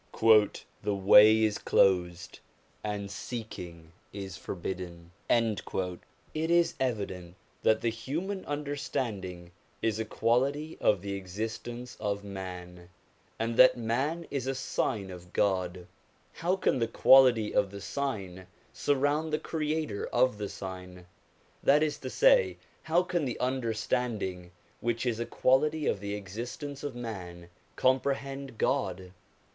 ' The way is closed and seek ing is forbidden.' It is evident that the human understanding is a quality of the existence of man, and that man is a sign of God : how can the quality of the sign surround the creator of the sign ? that is to say, how can the under standing, which is a quality of the existence of man, comprehend God